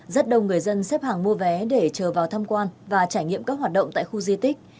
rất đông người dân xếp hàng mua vé để chờ vào tham quan và trải nghiệm các hoạt động tại khu di tích